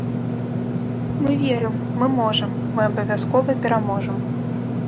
Мы верым, мы можам, мы абавязкова пераможам.